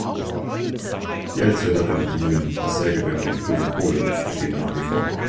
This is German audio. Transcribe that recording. Die ältere der beiden Mühlen, das Sägewerk der Gebrüder Kohle, besteht nach wie vor.